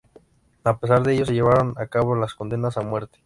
A pesar de ello, se llevaron a cabo las condenas a muerte.